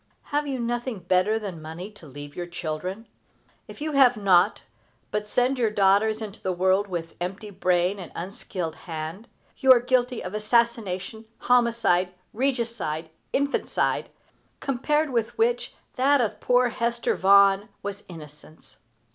Have you nothing better than money to leave your children? If you have not, but send your daughters into the world with empty brain and unskilled hand, you are guilty of assassination, homicide, regicide, infanticide compared with which that of poor Hester Vaughan was innocence.